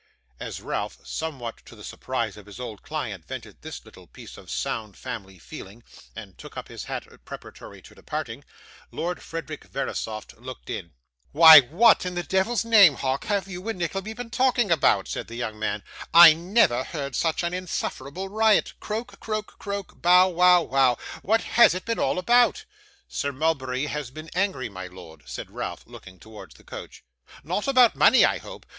As Ralph, somewhat to the surprise of his old client, vented this little piece of sound family feeling, and took up his hat preparatory to departing, Lord Frederick Verisopht looked in. 'Why what in the deyvle's name, Hawk, have you and Nickleby been talking about?' said the young man. 'I neyver heard such an insufferable riot. Croak, croak, croak. Bow, wow, wow. What has it all been about?' 'Sir Mulberry has been angry, my Lord,' said Ralph, looking towards the couch. 'Not about money, I hope?